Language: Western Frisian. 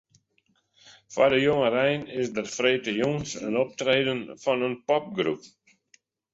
Foar de jongerein is der de freedtejûns in optreden fan in popgroep.